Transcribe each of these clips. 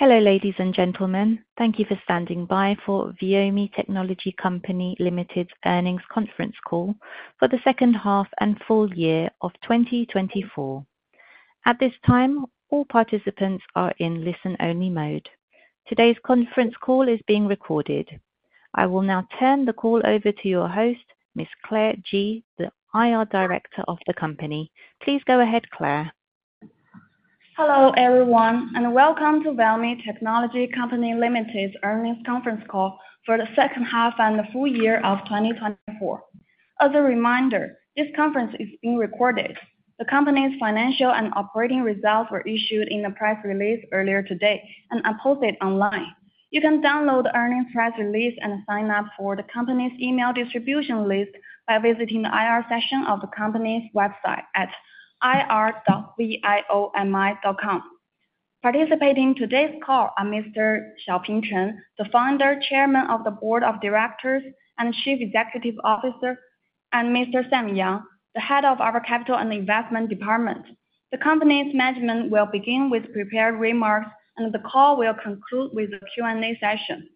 Hello, ladies and gentlemen. Thank you for standing by for Viomi Technology Co., Ltd.'s Earnings Conference Call for the second half and full year of 2024. At this time, all participants are in listen-only mode. Today's conference call is being recorded. I will now turn the call over to your host, Ms. Claire Ji, the IR Director of the company. Please go ahead, Claire. Hello, everyone, and welcome to Viomi Technology Co., Ltd.'s earnings conference call for the second half and full year of 2024. As a reminder, this conference is being recorded. The company's financial and operating results were issued in the press release earlier today and are posted online. You can download the earnings press release and sign up for the company's email distribution list by visiting the IR section of the company's website at ir.viomi.com. Participating in today's call are Mr. Xiaoping Chen, the Founder, Chairman of the Board of Directors and Chief Executive Officer, and Mr. Sam Yang, the Head of our Capital and Investment Department. The company's management will begin with prepared remarks, and the call will conclude with a Q&A session.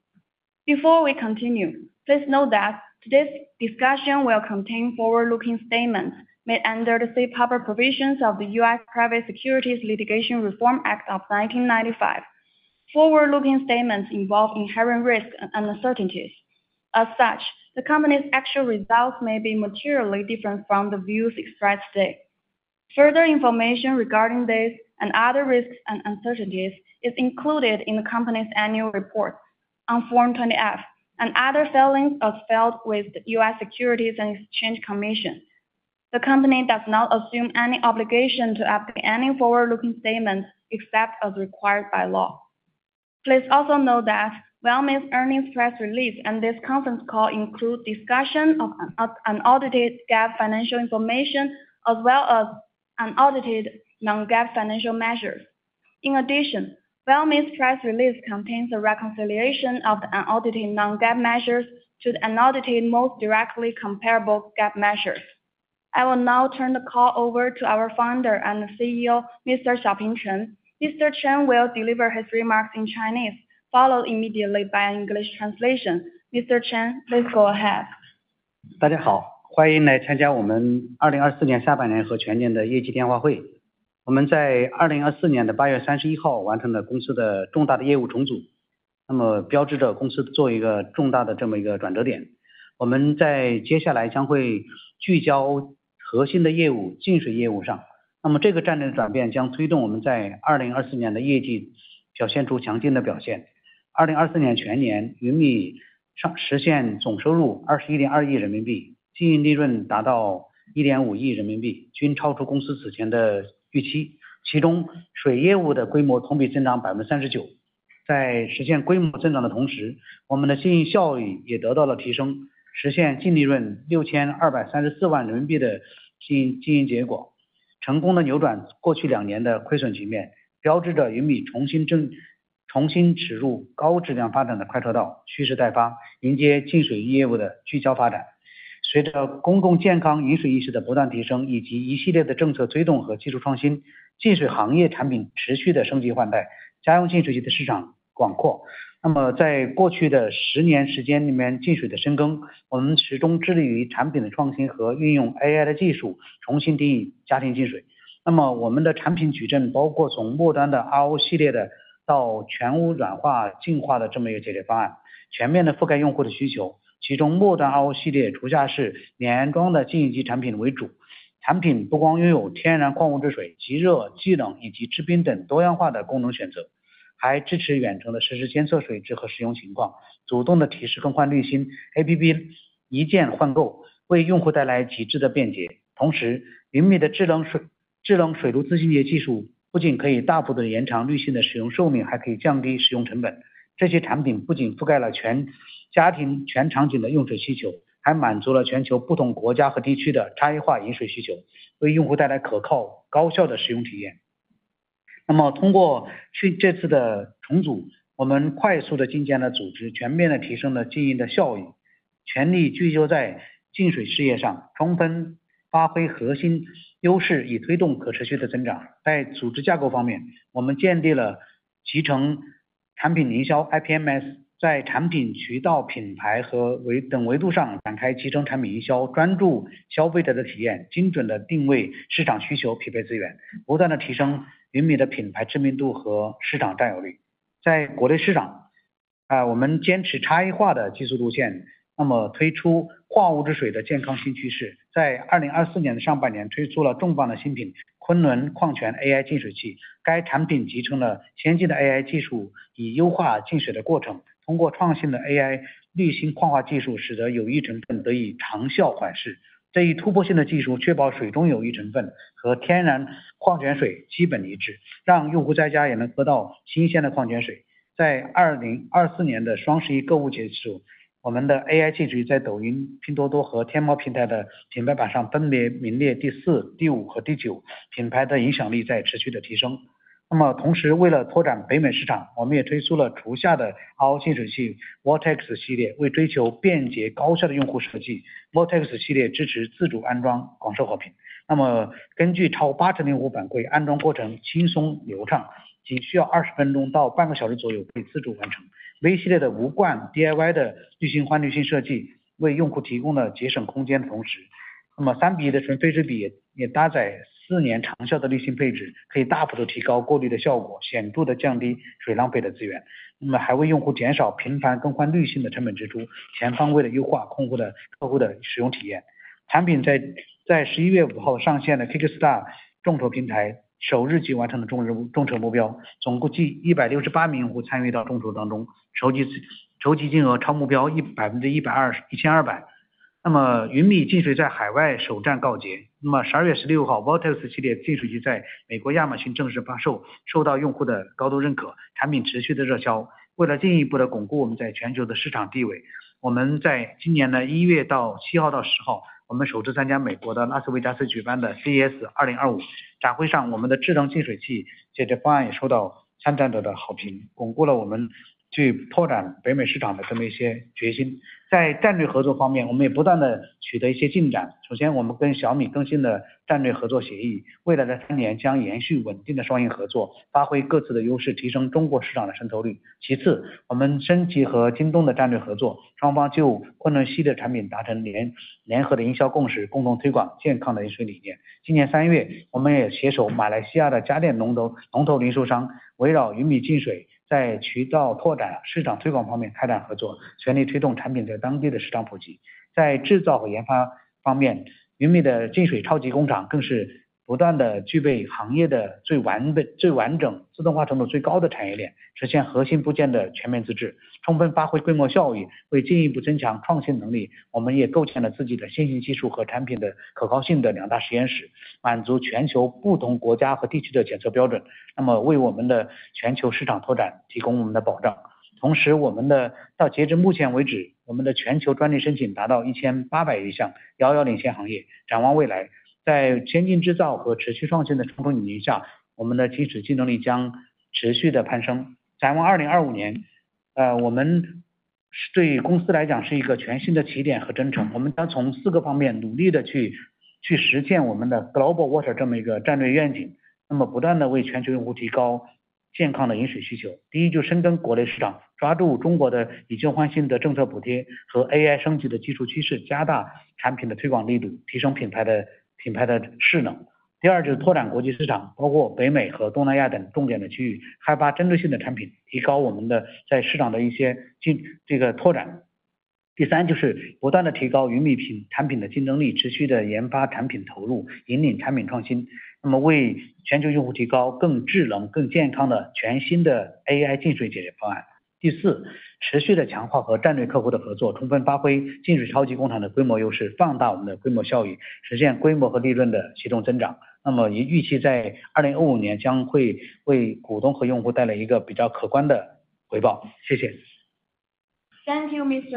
Before we continue, please note that today's discussion will contain forward-looking statements made under the safe harbor provisions of the U.S. Private Securities Litigation Reform Act of 1995. Forward-looking statements involve inherent risks and uncertainties. As such, the company's actual results may be materially different from the views expressed today. Further information regarding this and other risks and uncertainties is included in the company's annual report on Form 20-F and other filings as filed with the U.S. Securities and Exchange Commission. The company does not assume any obligation to update any forward-looking statements except as required by law. Please also note that Viomi's earnings press release and this conference call include discussion of unaudited GAAP financial information as well as unaudited non-GAAP financial measures. In addition, Viomi's press release contains a reconciliation of the unaudited non-GAAP measures to the unaudited most directly comparable GAAP measures. I will now turn the call over to our Founder and CEO, Mr. Xiaoping Chen. Mr. Chen will deliver his remarks in Chinese, followed immediately by an English translation. Mr. Chen, please go ahead. 展望2025年，对公司来讲是一个全新的起点和征程，我们将从四个方面努力地去实现我们的Global Thank you, Mr.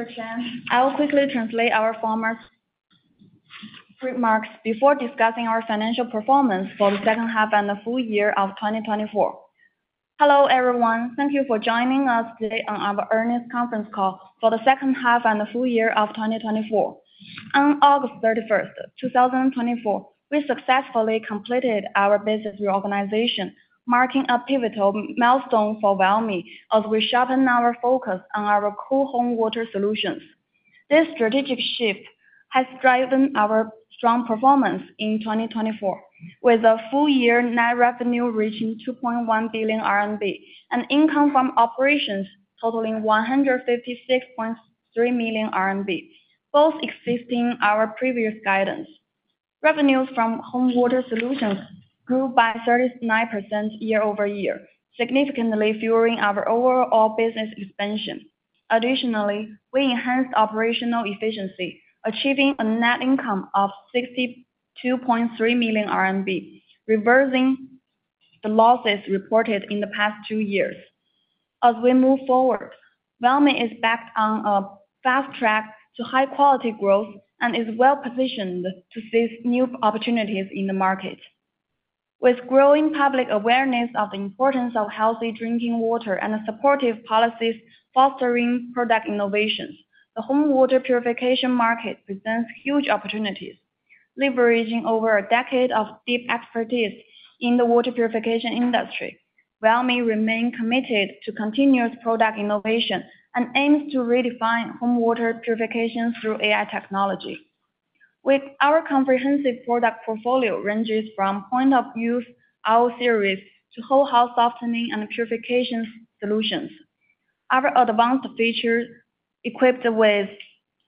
Chen. I will quickly translate our emarks before discussing our financial performance for the second half and the full year of 2024. Hello everyone, thank you for joining us today on our earnings conference call for the second half and the full year of 2024. On August 31, 2024, we successfully completed our business reorganization, marking a pivotal milestone for Viomi as we sharpen our focus on our core home water solutions. This strategic shift has driven our strong performance in 2024, with full year net revenue reaching 2.1 billion RMB and income from operations totaling 156.3 million RMB, both exceeding our previous guidance. Revenues from home water solutions grew by 39% year over year, significantly fueling our overall business expansion. Additionally, we enhanced operational efficiency, achieving a net income of 62.3 million RMB, reversing the losses reported in the past two years. As we move forward, Viomi is backed on a fast track to high-quality growth and is well positioned to seize new opportunities in the market. With growing public awareness of the importance of healthy drinking water and supportive policies fostering product innovations, the home water purification market presents huge opportunities. Leveraging over a decade of deep expertise in the water purification industry, Viomi remains committed to continuous product innovation and aims to redefine home water purification through AI technology. With our comprehensive product portfolio ranges from point-of-use RO series to whole house softening and purification solutions. Our advanced features equipped with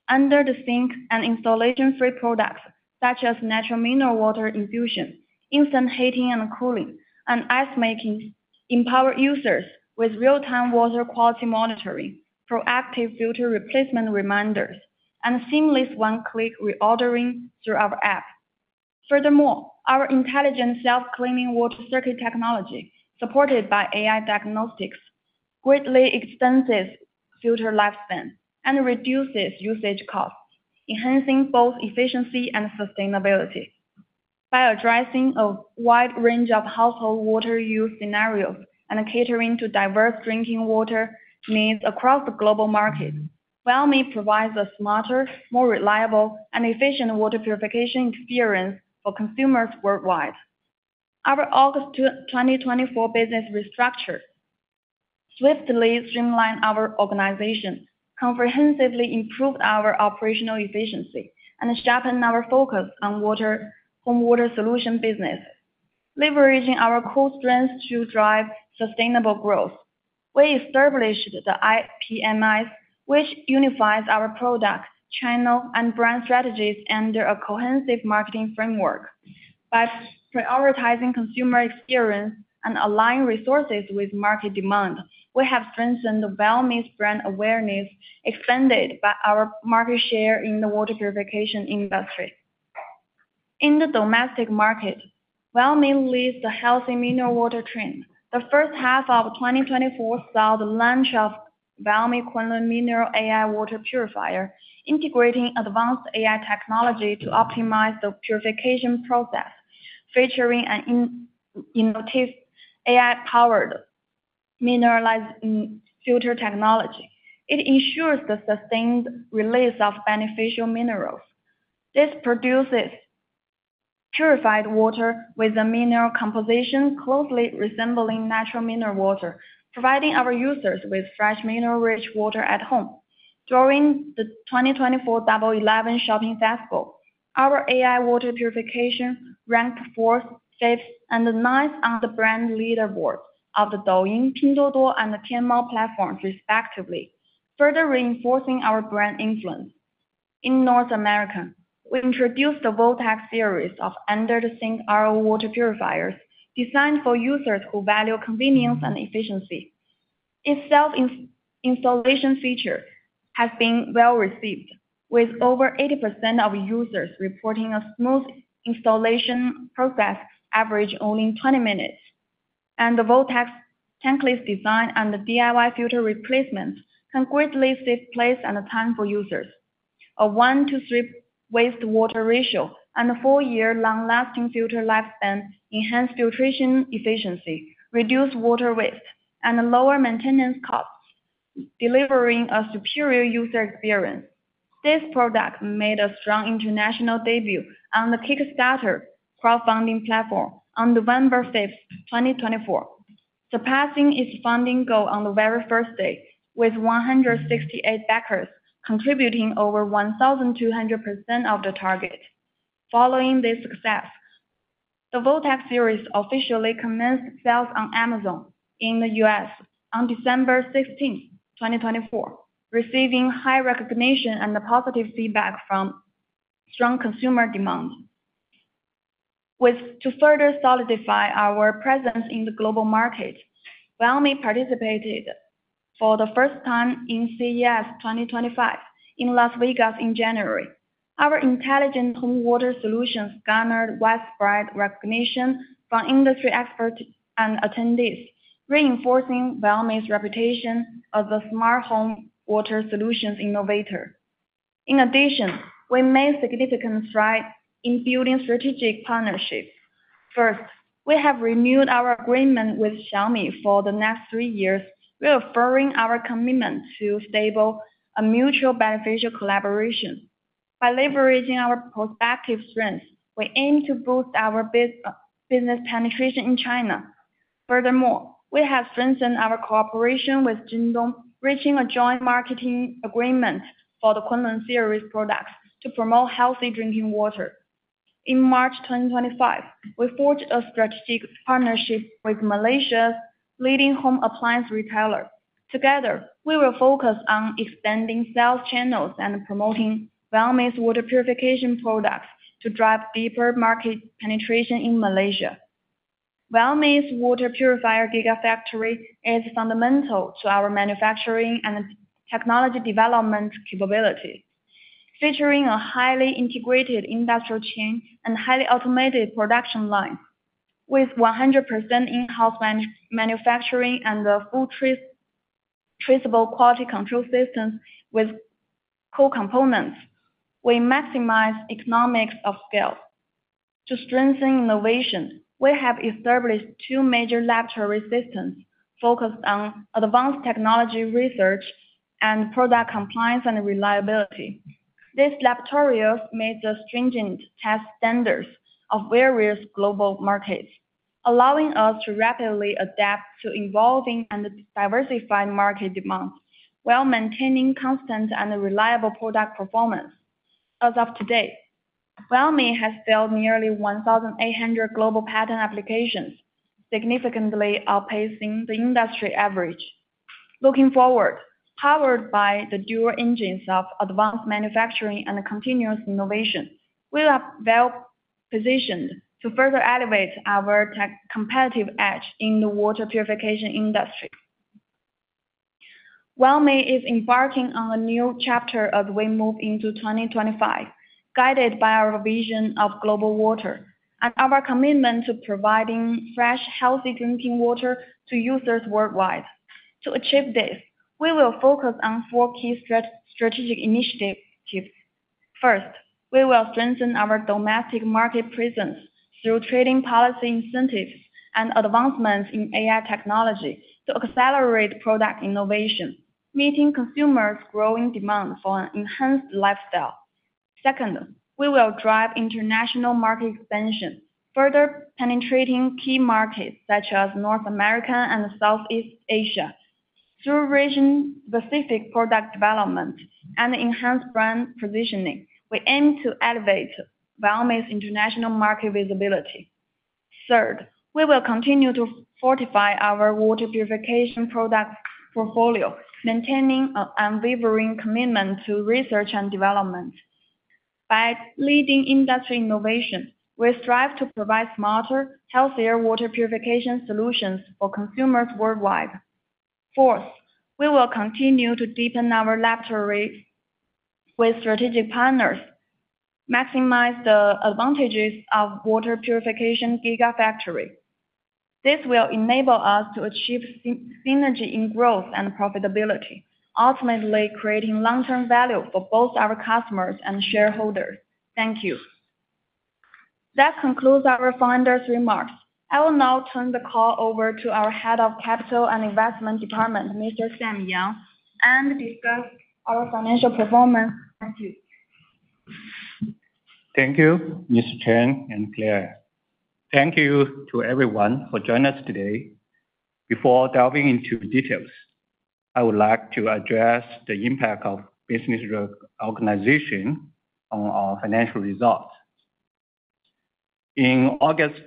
under-the-sink and installation-free products such as natural mineral water infusion, instant heating and cooling, and ice making empower users with real-time water quality monitoring, proactive filter replacement reminders, and seamless one-click reordering through our app. Furthermore, our intelligent self-cleaning water circuit technology, supported by AI diagnostics, greatly extends filter lifespan and reduces usage costs, enhancing both efficiency and sustainability. By addressing a wide range of household water use scenarios and catering to diverse drinking water needs across the global market, Viomi provides a smarter, more reliable, and efficient water purification experience for consumers worldwide. Our August 2024 business reorganization swiftly streamlined our organization, comprehensively improved our operational efficiency, and sharpened our focus on water home water solution business, leveraging our core strengths to drive sustainable growth. We established the IPMS, which unifies our product, channel, and brand strategies under a cohesive marketing framework. By prioritizing consumer experience and aligning resources with market demand, we have strengthened Viomi's brand awareness, expanded our market share in the water purification industry. In the domestic market, Viomi leads the healthy mineral water trend. The first half of 2024 saw the launch of Viomi Kunlun Mineral AI Water Purifier, integrating advanced AI technology to optimize the purification process, featuring an innovative AI-powered mineralizing filter technology. It ensures the sustained release of beneficial minerals. This produces purified water with a mineral composition closely resembling natural mineral water, providing our users with fresh mineral-rich water at home. During the 2024 Double 11 Shopping Festival, our AI water purification ranked fourth, fifth, and ninth on the brand leaderboard of the Douyin, Pinduoduo, and the Tmall platforms, respectively, further reinforcing our brand influence. In North America, we introduced the Vortex series of under-the-sink RO water purifiers designed for users who value convenience and efficiency. Its self-installation feature has been well received, with over 80% of users reporting a smooth installation process averaged only 20 minutes. The Vortex tankless design and the DIY filter replacement can greatly save place and time for users. A one-to-three wastewater ratio and a four-year long-lasting filter lifespan enhance filtration efficiency, reduce water waste, and lower maintenance costs, delivering a superior user experience. This product made a strong international debut on the Kickstarter crowdfunding platform on November 5th, 2024, surpassing its funding goal on the very first day, with 168 backers contributing over 1,200% of the target. Following this success, the Vortex series officially commenced sales on Amazon in the US on December 16th, 2024, receiving high recognition and positive feedback from strong consumer demand. To further solidify our presence in the global market, Viomi participated for the first time in CES 2025 in Las Vegas in January. Our intelligent home water solutions garnered widespread recognition from industry experts and attendees, reinforcing Viomi's reputation as a smart home water solutions innovator. In addition, we made significant strides in building strategic partnerships. First, we have renewed our agreement with Xiaomi for the next three years, reaffirming our commitment to stable and mutually beneficial collaboration. By leveraging our prospective strengths, we aim to boost our business penetration in China. Furthermore, we have strengthened our cooperation with JD.com, reaching a joint marketing agreement for the Kunlun series products to promote healthy drinking water. In March 2025, we forged a strategic partnership with Malaysia's leading home appliance retailer. Together, we will focus on expanding sales channels and promoting Viomi's water purification products to drive deeper market penetration in Malaysia. Viomi's Water Purifier Gigafactory is fundamental to our manufacturing and technology development capability, featuring a highly integrated industrial chain and highly automated production line. With 100% in-house manufacturing and fully traceable quality control systems with core components, we maximize economics of scale. To strengthen innovation, we have established two major laboratory systems focused on advanced technology research and product compliance and reliability. These laboratories meet the stringent test standards of various global markets, allowing us to rapidly adapt to evolving and diversified market demands while maintaining constant and reliable product performance. As of today, Viomi has filed nearly 1,800 global patent applications, significantly outpacing the industry average. Looking forward, powered by the dual engines of advanced manufacturing and continuous innovation, we are well positioned to further elevate our competitive edge in the water purification industry. Viomi is embarking on a new chapter as we move into 2025, guided by our vision of Global Water and our commitment to providing fresh, healthy drinking water to users worldwide. To achieve this, we will focus on four key strategic initiatives. First, we will strengthen our domestic market presence through trade-in policy incentives and advancements in AI technology to accelerate product innovation, meeting consumers' growing demand for an enhanced lifestyle. Second, we will drive international market expansion, further penetrating key markets such as North America and Southeast Asia. Through region-specific product development and enhanced brand positioning, we aim to elevate Viomi's international market visibility. Third, we will continue to fortify our water purification product portfolio, maintaining an unwavering commitment to research and development. By leading industry innovation, we strive to provide smarter, healthier water purification solutions for consumers worldwide. Fourth, we will continue to deepen our laboratory with strategic partners, maximizing the advantages of Water Purification Gigafactory. This will enable us to achieve synergy in growth and profitability, ultimately creating long-term value for both our customers and shareholders. Thank you. That concludes our founders' remarks. I will now turn the call over to our Head of Capital and Investment Department, Mr. Sam Yang, and discuss our financial performance. Thank you. Thank you, Mr. Chen and Claire. Thank you to everyone for joining us today. Before diving into details, I would like to address the impact of business reorganization on our financial results. In August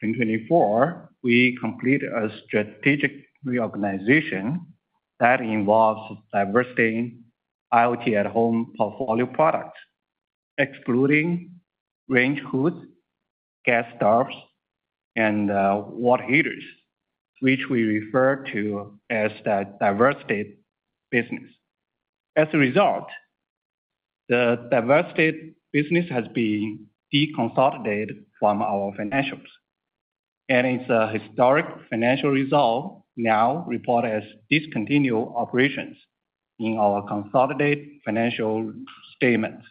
2024, we completed a strategic reorganization that involves diversifying IoT at home portfolio products, excluding range hoods, gas stoves, and water heaters, which we refer to as the diversified business. As a result, the diversified business has been deconsolidated from our financials, and it is a historic financial result now reported as discontinued operations in our consolidated financial statements.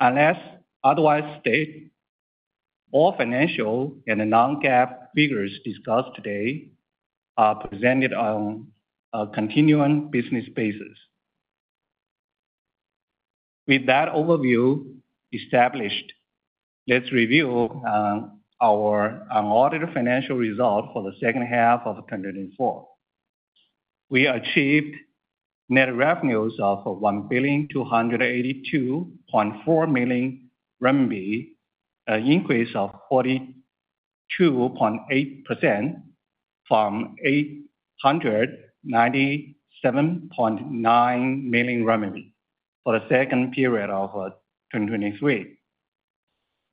Unless otherwise stated, all financial and non-GAAP figures discussed today are presented on a continuing business basis. With that overview established, let's review our audited financial result for the second half of 2024. We achieved net revenues of 1,282.4 million RMB, an increase of 42.8% from 897.9 million renminbi for the second period of 2023.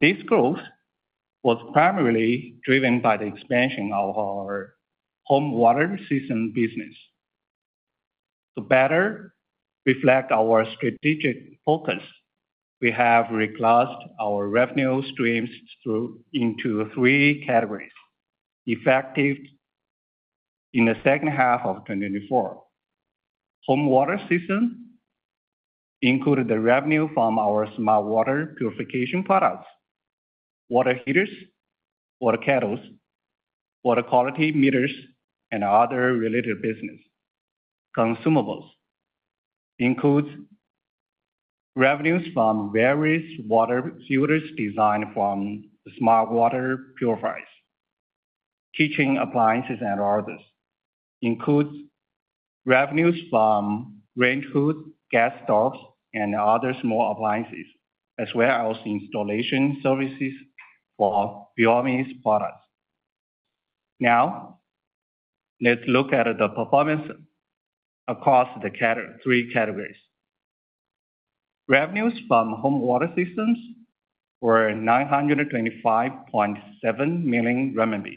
This growth was primarily driven by the expansion of our home water system business. To better reflect our strategic focus, we have reclassed our revenue streams into three categories effective in the second half of 2024. Home water systems include the revenue from our smart water purification products, water heaters, water kettles, water quality meters, and other related businesses. Consumables include revenues from various water filters designed for smart water purifiers, kitchen appliances, and others. It includes revenues from range hoods, gas stoves, and other small appliances, as well as installation services for Viomi's products. Now, let's look at the performance across the three categories. Revenues from home water systems were 925.7 million renminbi,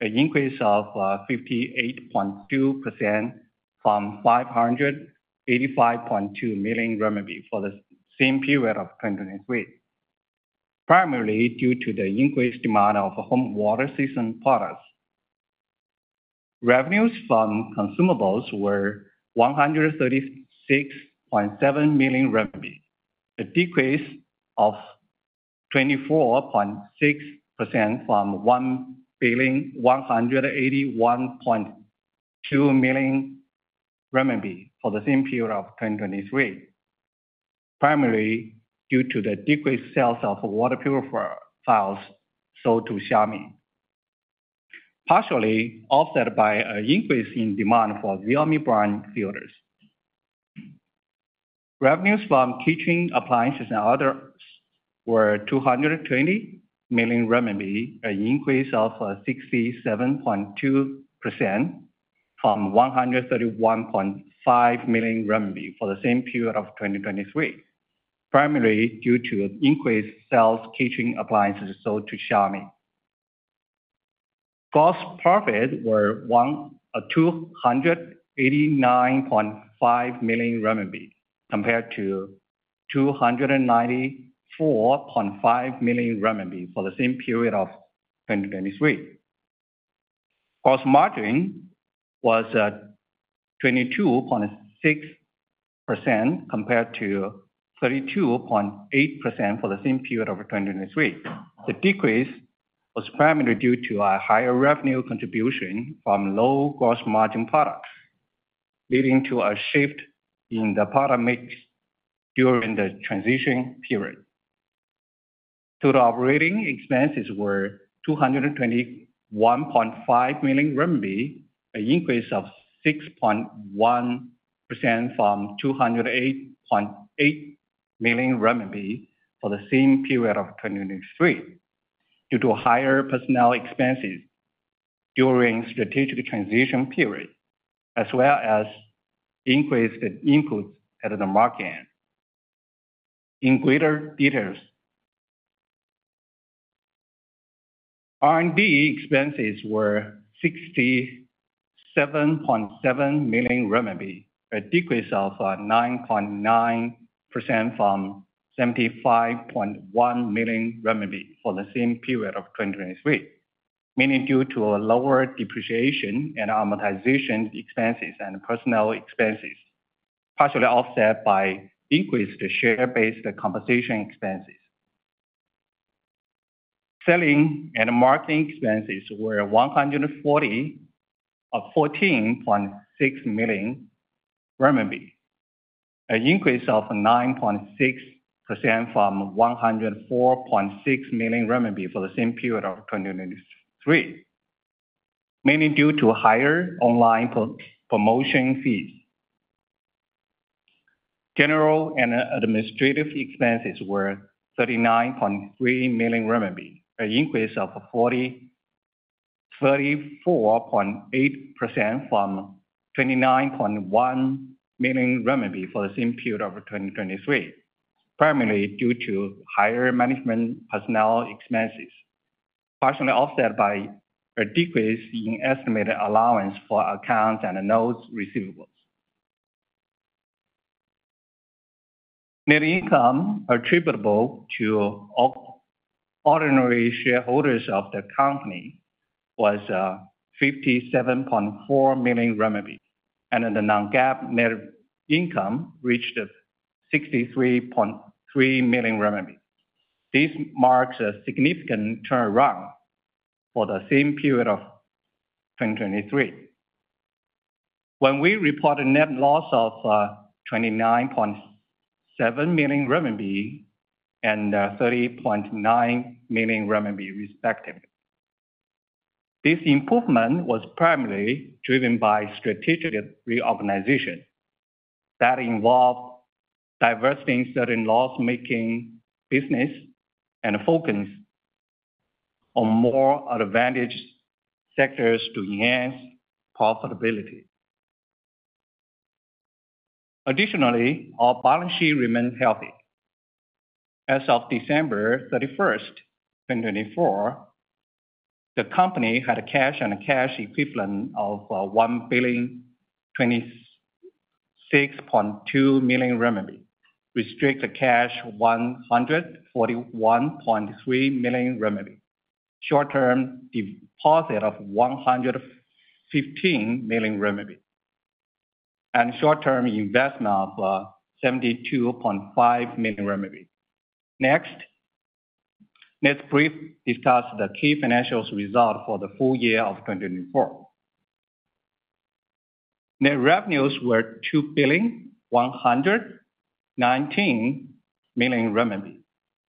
an increase of 58.2% from 585.2 million renminbi for the same period of 2023, primarily due to the increased demand of home water system products. Revenues from consumables were 136.7 million renminbi, a decrease of 24.6% from 181.2 million renminbi for the same period of 2023, primarily due to the decreased sales of water purifiers sold to Xiaomi, partially offset by an increase in demand for Viomi brand filters. Revenues from kitchen appliances and others were 220 million renminbi, an increase of 67.2% from 131.5 million renminbi for the same period of 2023, primarily due to the increased sales of kitchen appliances sold to Xiaomi. Gross profits were 289.5 million renminbi compared to 294.5 million renminbi for the same period of 2023. Gross margin was 22.6% compared to 32.8% for the same period of 2023. The decrease was primarily due to a higher revenue contribution from low gross margin products, leading to a shift in the product mix during the transition period. Total operating expenses were 221.5 million RMB, an increase of 6.1% from 208.8 million RMB for the same period of 2023, due to higher personnel expenses during the strategic transition period, as well as increased inputs at the market. In greater details, R&D expenses were 67.7 million RMB, a decrease of 9.9% from 75.1 million RMB for the same period of 2023, mainly due to lower depreciation and amortization expenses and personnel expenses, partially offset by increased share-based compensation expenses. Selling and marketing expenses were 140.6 million RMB, an increase of 9.6% from 104.6 million RMB for the same period of 2023, mainly due to higher online promotion fees. General and administrative expenses were 39.3 million renminbi, an increase of 34.8% from 29.1 million renminbi for the same period of 2023, primarily due to higher management personnel expenses, partially offset by a decrease in estimated allowance for accounts and notes receivables. Net income attributable to ordinary shareholders of the company was 57.4 million renminbi, and the non-GAAP net income reached 63.3 million renminbi. This marks a significant turnaround for the same period of 2023. When we reported net loss of 29.7 million RMB and 30.9 million RMB, respectively, this improvement was primarily driven by strategic reorganization that involved diversifying certain loss-making businesses and focusing on more advantaged sectors to enhance profitability. Additionally, our balance sheet remained healthy. As of December 31, 2024, the company had a cash and cash equivalent of 1,026.2 million renminbi, restricted cash 141.3 million renminbi, short-term deposit of 115 million renminbi, and short-term investment of 72.5 million renminbi. Next, let's briefly discuss the key financials result for the full year of 2024. Net revenues were 2,119 million renminbi,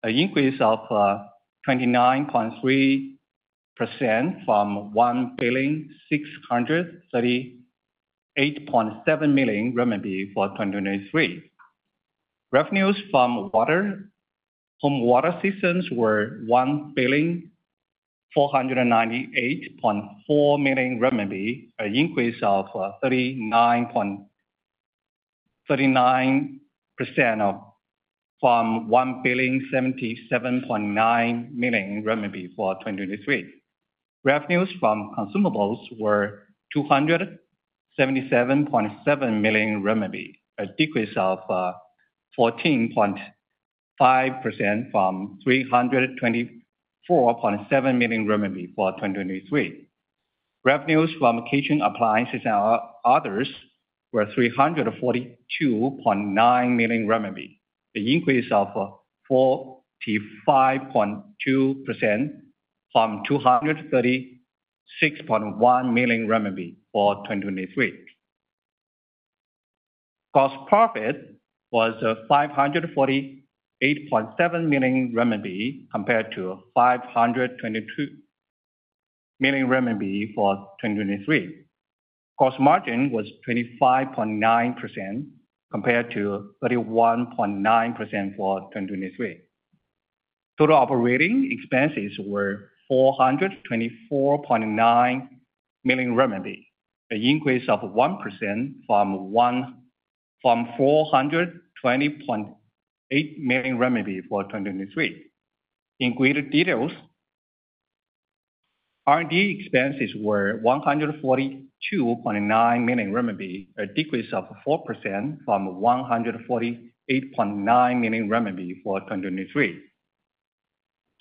an increase of 29.3% from 1,638.7 million renminbi for 2023. Revenues from home water systems were RMB 1,498.4 million, an increase of 39.39% from 1,077.9 million renminbi for 2023. Revenues from consumables were 277.7 million renminbi, a decrease of 14.5% from 324.7 million renminbi for 2023. Revenues from kitchen appliances and others were 342.9 million RMB, an increase of 45.2% from 236.1 million RMB for 2023. Gross profit was 548.7 million renminbi compared to 522 million renminbi for 2023. Gross margin was 25.9% compared to 31.9% for 2023. Total operating expenses were 424.9 million renminbi, an increase of 1% from 420.8 million renminbi for 2023. In greater details, R&D expenses were 142.9 million RMB, a decrease of 4% from 148.9 million RMB for 2023.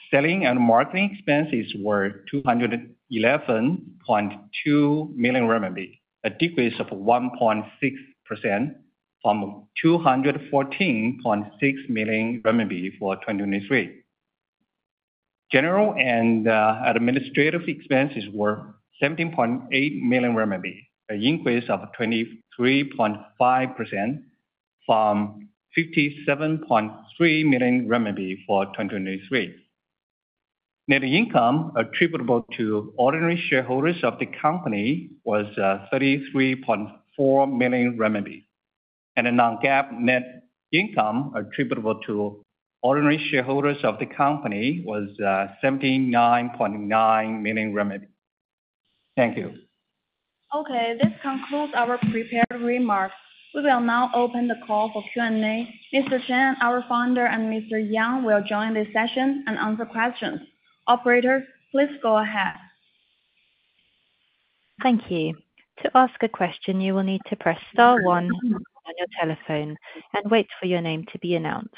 Selling and marketing expenses were 211.2 million RMB, a decrease of 1.6% from 214.6 million RMB for 2023. General and administrative expenses were 17.8 million RMB, an increase of 23.5% from 57.3 million RMB for 2023. Net income attributable to ordinary shareholders of the company was 33.4 million renminbi, and the non-GAAP net income attributable to ordinary shareholders of the company was 79.9 million. Thank you. Okay, this concludes our prepared remarks. We will now open the call for Q&A. Mr. Chen, our founder, and Mr. Yang will join the session and answer questions. Operators, please go ahead. Thank you. To ask a question, you will need to press star one on your telephone and wait for your name to be announced.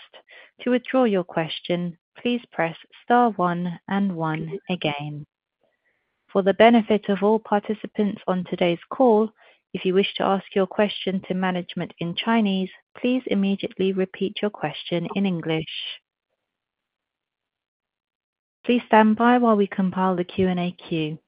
To withdraw your question, please press star one and one again. For the benefit of all participants on today's call, if you wish to ask your question to management in Chinese, please immediately repeat your question in English. Please stand by while we compile the Q&A queue.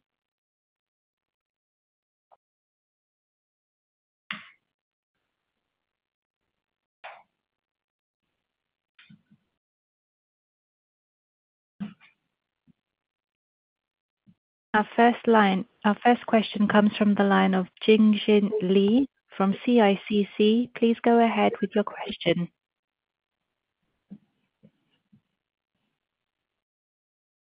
Our first question comes from the line of Jingjing Li from CICC. Please go ahead with your question.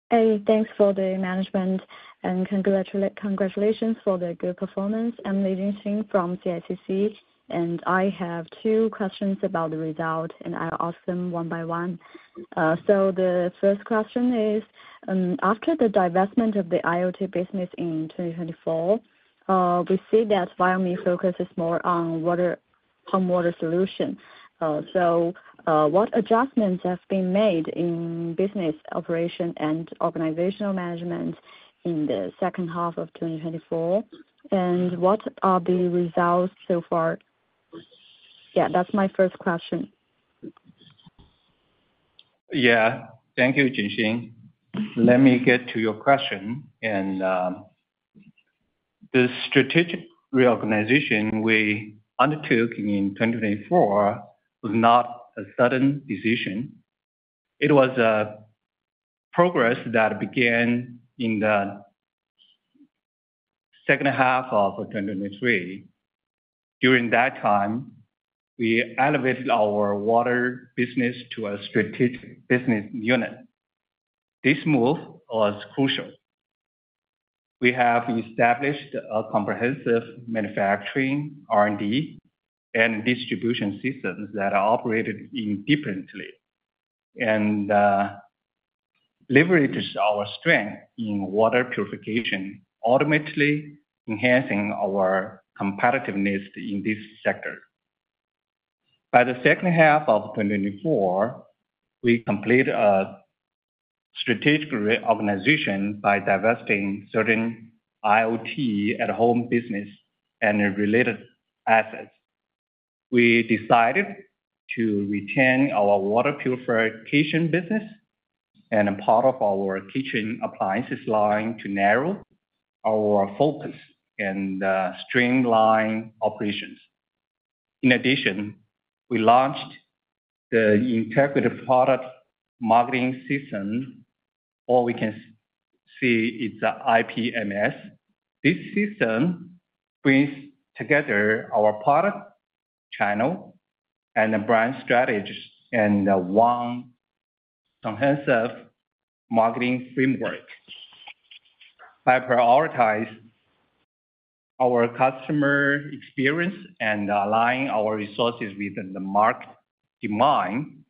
Hey, thanks for the management, and congratulations for the good performance. I'm Jingjin Li from CICC, and I have two questions about the result, and I'll ask them one by one. The first question is, after the divestment of the IoT business in 2024, we see that Viomi focuses more on home water solutions. What adjustments have been made in business operation and organizational management in the second half of 2024? What are the results so far? Yeah, that's my first question. Yeah, thank you, Jingjin. Let me get to your question. The strategic reorganization we undertook in 2024 was not a sudden decision. It was a progress that began in the second half of 2023. During that time, we elevated our water business to a strategic business unit. This move was crucial. We have established comprehensive manufacturing, R&D, and distribution systems that are operated independently and leverage our strength in water purification, ultimately enhancing our competitiveness in this sector. By the second half of 2024, we completed a strategic reorganization by divesting certain IoT at-home businesses and related assets. We decided to retain our water purification business and part of our kitchen appliances line to narrow our focus and streamline operations. In addition, we launched the Integrated Product Marketing System, or we can say it's IPMS. This system brings together our product, channel, and brand strategies in one comprehensive marketing framework by prioritizing our customer experience and aligning our resources with the market demand.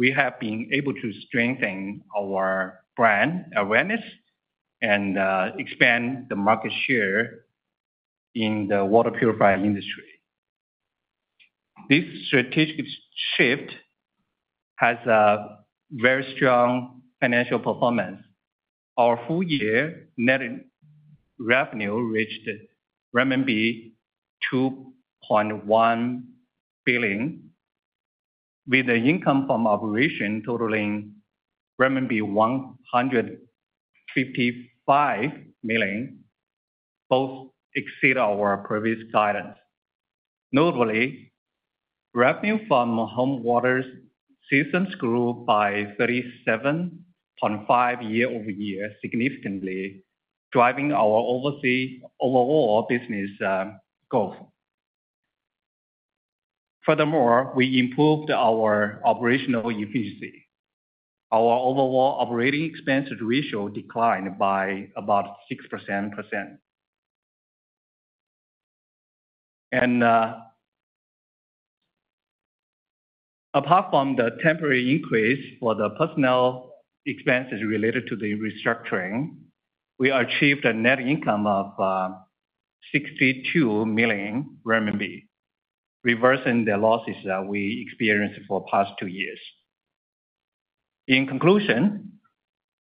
We have been able to strengthen our brand awareness and expand the market share in the water purifying industry. This strategic shift has a very strong financial performance. Our full-year net revenue reached RMB 2.1 billion, with the income from operations totaling RMB 155 million, both exceeding our previous guidance. Notably, revenue from home water systems grew by 37.5% year-over-year significantly, driving our overall business growth. Furthermore, we improved our operational efficiency. Our overall operating expense ratio declined by about 6%. Apart from the temporary increase for the personnel expenses related to the restructuring, we achieved a net income of 62 million RMB, reversing the losses that we experienced for the past two years. In conclusion,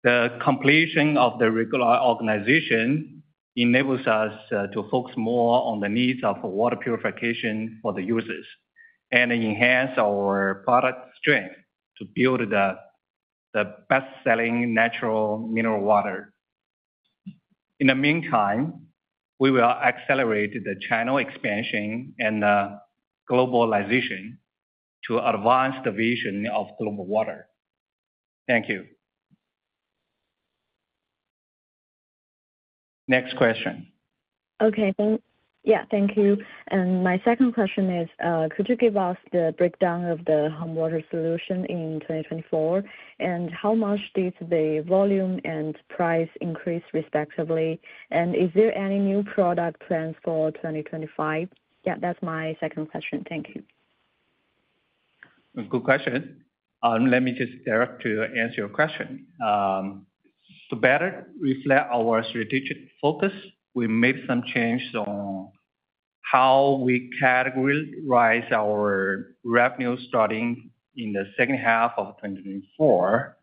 the completion of the reorganization enables us to focus more on the needs of water purification for the users and enhance our product strength to build the best-selling natural mineral water. In the meantime, we will accelerate the channel expansion and globalization to advance the vision of Global Water. Thank you. Next question. Okay, yeah, thank you. My second question is, could you give us the breakdown of the home water solution in 2024? How much did the volume and price increase, respectively? Is there any new product plans for 2025? Yeah, that's my second question. Thank you. Good question. Let me just directly answer your question. To better reflect our strategic focus, we made some changes on how we categorize our revenue starting in the second half of 2024.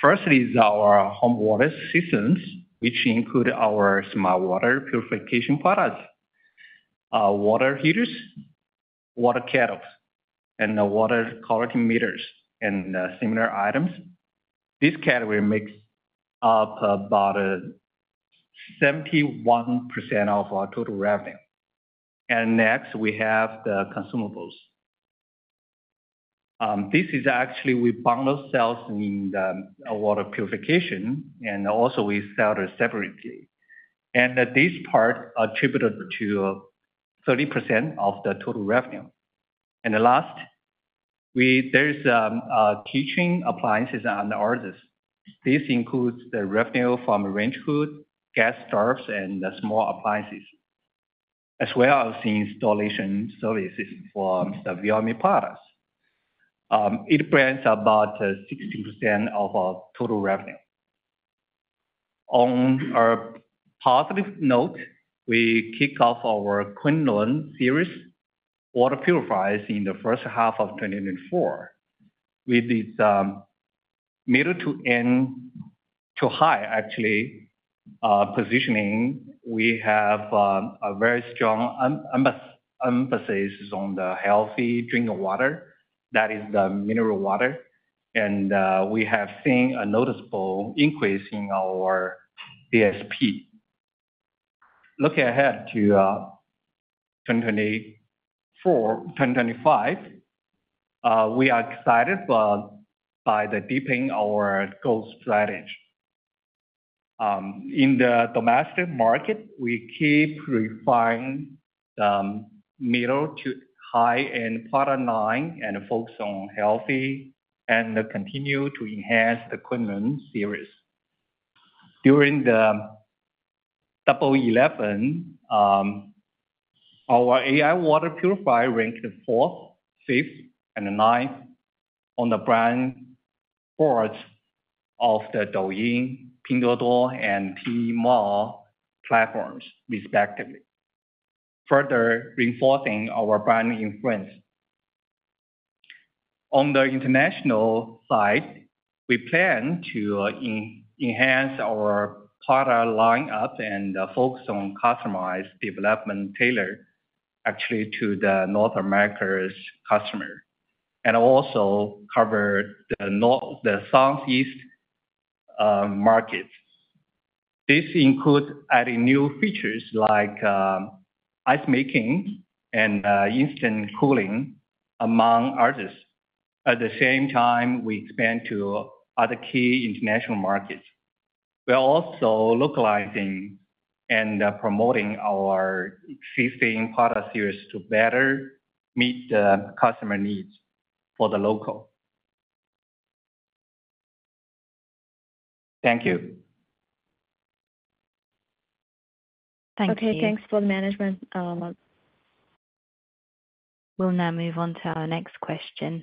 First is our home water systems, which include our smart water purification products, water heaters, water kettles, and water quality meters and similar items. This category makes up about 71% of our total revenue. Next, we have the consumables. This is actually we bound ourselves in the water purification, and also we sell separately. This part attributed to 30% of the total revenue. Last, there is kitchen appliances and orders. This includes the revenue from range hoods, gas stoves, and small appliances, as well as installation services for the Viomi products. It brings about 60% of our total revenue. On a positive note, we kick off our Kunlun series water purifiers in the first half of 2024. With this middle to high, actually, positioning, we have a very strong emphasis on the healthy drinking water. That is the mineral water. And we have seen a noticeable increase in our ASP. Looking ahead to 2024, 2025, we are excited by the deepening of our growth strategy. In the domestic market, we keep refining the middle to high-end product line and focus on healthy and continue to enhance the Kunlun series. During the Double 11, our AI water purifier ranked fourth, fifth, and ninth on the brand boards of the Douyin, Pinduoduo, and Tmall platforms, respectively, further reinforcing our brand influence. On the international side, we plan to enhance our product lineup and focus on customized development tailored actually to the North America's customers and also cover the Southeast markets. This includes adding new features like ice making and instant cooling among others. At the same time, we expand to other key international markets. We're also localizing and promoting our existing product series to better meet the customer needs for the local. Thank you. Thank you. Okay, thanks for the management. We'll now move on to our next question.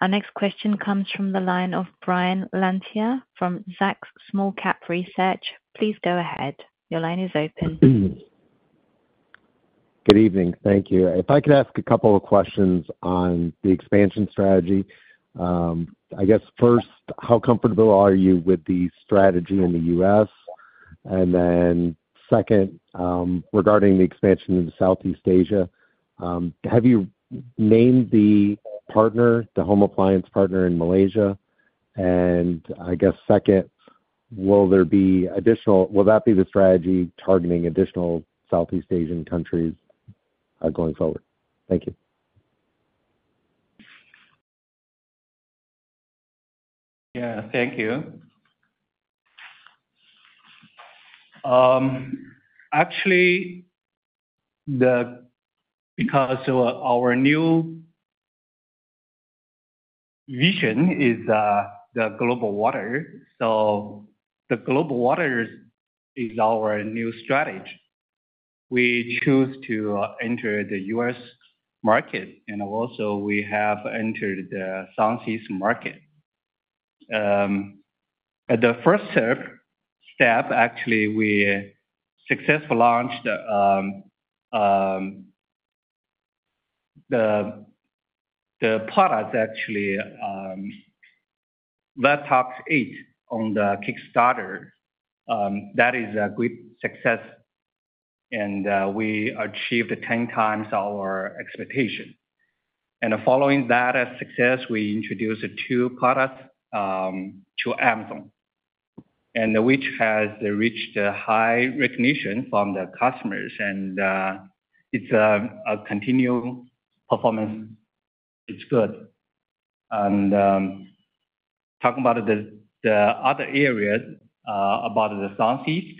Our next question comes from the line of Brian Lantier from Zacks Small Cap Research. Please go ahead. Your line is open. Good evening. Thank you. If I could ask a couple of questions on the expansion strategy. I guess first, how comfortable are you with the strategy in the U.S.? Regarding the expansion into Southeast Asia, have you named the home appliance partner in Malaysia? I guess second, will that be the strategy targeting additional Southeast Asian countries going forward? Thank you. Yeah, thank you. Actually, because our new vision is the Global Water. The Global Water is our new strategy. We choose to enter the US market, and also we have entered the Southeast market. At the first step, actually, we successfully launched the product, actually, Vortex 8 on Kickstarter. That is a great success, and we achieved 10 times our expectation. Following that success, we introduced two products to Amazon, which has reached high recognition from the customers. It is a continued performance. It is good. Talking about the other areas about the Southeast,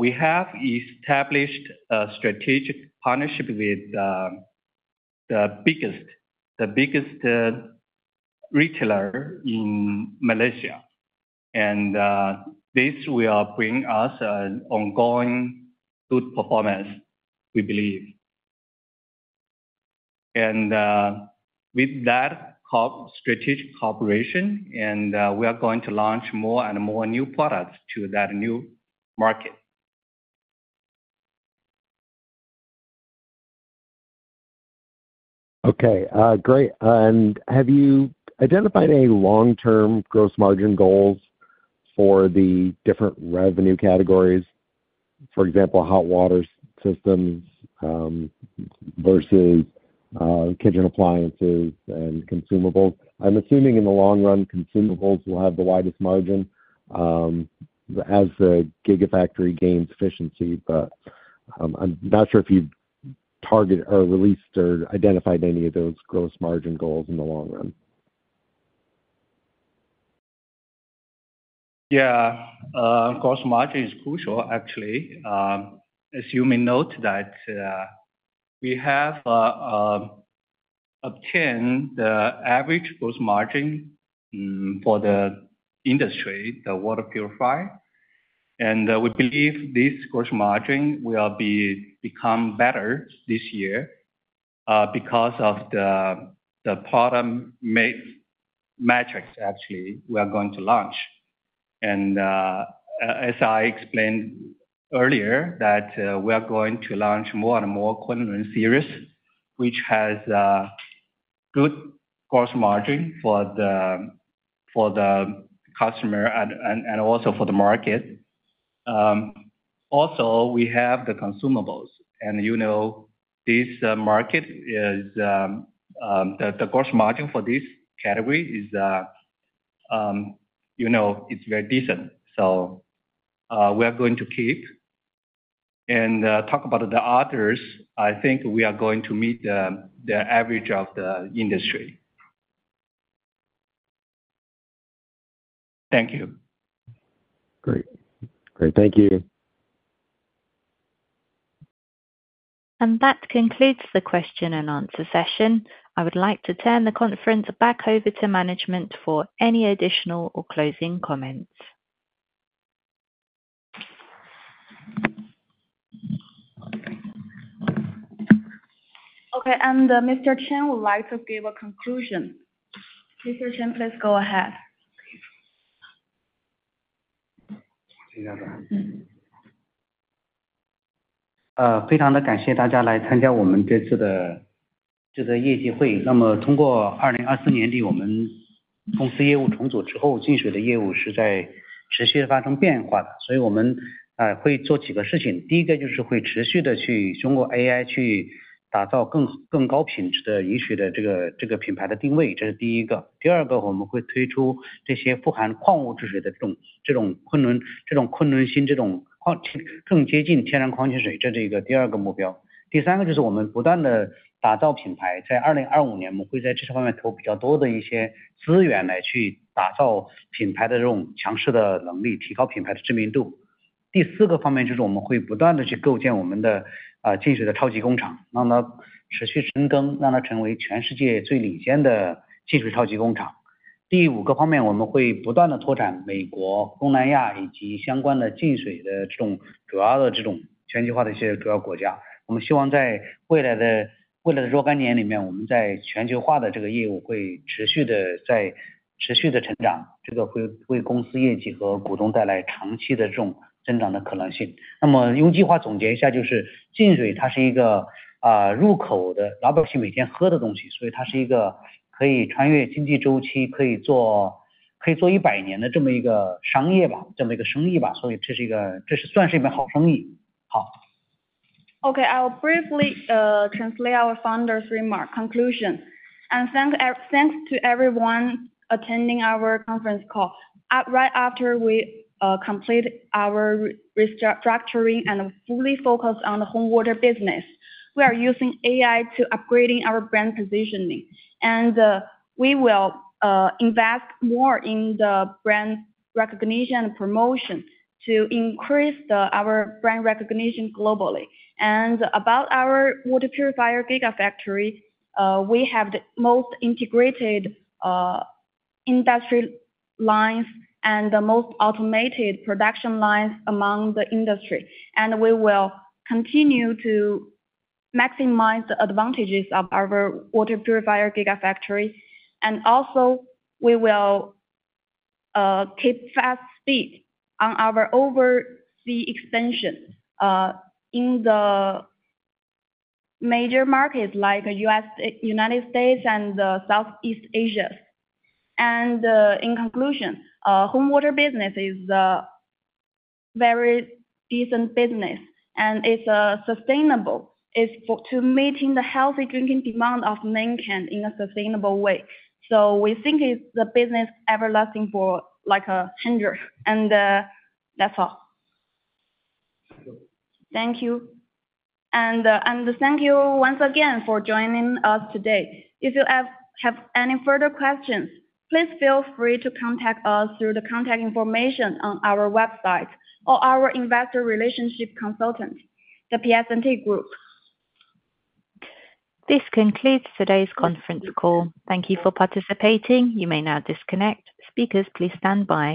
we have established a strategic partnership with the biggest retailer in Malaysia. This will bring us ongoing good performance, we believe. With that strategic cooperation, we are going to launch more and more new products to that new market. Okay, great. Have you identified any long-term gross margin goals for the different revenue categories? For example, hot water systems versus kitchen appliances and consumables. I'm assuming in the long run, consumables will have the widest margin as the Gigafactory gains efficiency. I'm not sure if you've targeted or released or identified any of those gross margin goals in the long run. Yeah, gross margin is crucial, actually. As you may note, we have obtained the average gross margin for the industry, the water purifier. We believe this gross margin will become better this year because of the product metrics, actually, we are going to launch. As I explained earlier, we are going to launch more and more Kunlun series, which has good gross margin for the customer and also for the market. Also, we have the consumables. In this market, the gross margin for this category is very decent. We are going to keep. Talking about the others, I think we are going to meet the average of the industry. Thank you. Great. Great. Thank you. That concludes the question and answer session. I would like to turn the conference back over to management for any additional or closing comments. Okay. Mr. Chen would like to give a conclusion. Mr. Chen, please go ahead. Okay, I will briefly translate our founder's remarks, conclusion. Thank you to everyone attending our conference call. Right after we complete our restructuring and fully focus on the home water business, we are using AI to upgrade our brand positioning. We will invest more in brand recognition and promotion to increase our brand recognition globally. Regarding our Water Purifier Gigafactory, we have the most integrated industry lines and the most automated production lines in the industry. We will continue to maximize the advantages of our Water Purifier Gigafactory. We will keep fast speed on our overseas expansion in major markets like the United States and Southeast Asia. In conclusion, home water business is a very decent business, and it is sustainable. It is to meet the healthy drinking demand of mankind in a sustainable way. We think it's a business everlasting for like a hundred. That's all. Thank you. Thank you once again for joining us today. If you have any further questions, please feel free to contact us through the contact information on our website or our investor relationship consultant, The Piacente Group. This concludes today's conference call. Thank you for participating. You may now disconnect. Speakers, please stand by.